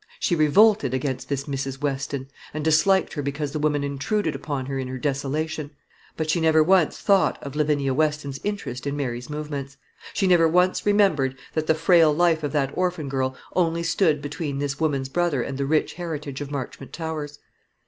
She revolted against this Mrs. Weston, and disliked her because the woman intruded upon her in her desolation; but she never once thought of Lavinia Weston's interest in Mary's movements; she never once remembered that the frail life of that orphan girl only stood between this woman's brother and the rich heritage of Marchmont Towers.